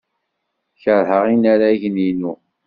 Keṛheɣ inaragen-inu.